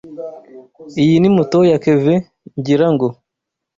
Iyi ni moto ya Kevin, ngira ngo.